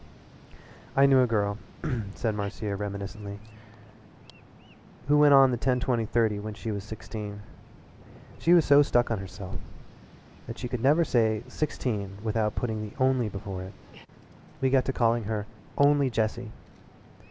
"I knew a girl," said Marcia reminiscently, "who went on the ten twenty thirty when she was sixteen. She was so stuck on herself that she could never say 'sixteen' without putting the 'only' before it. We got to calling her 'Only Jessie.'